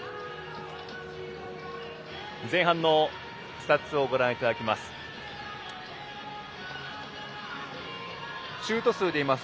前半のスタッツをご覧いただきます。